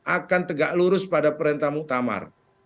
akan tegak lurus pada perintah muktamar